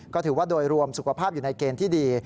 ก็ถือว่าโดยรวมสุขภาพอยู่ในเกณฑ์ที่ดี